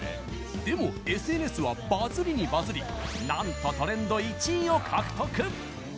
でも、ＳＮＳはバズりにバズりなんとトレンド１位を獲得！